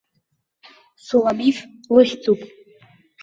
Суламиф лыхьӡуп!